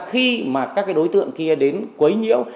khi mà các đối tượng kia đến quấy nhiễu